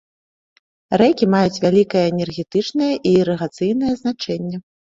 Рэкі маюць вялікае энергетычнае і ірыгацыйнае значэнне.